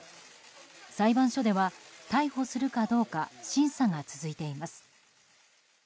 裁判所では逮捕するかどうか審査が続いています。